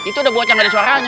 itu udah buaca gak ada suaranya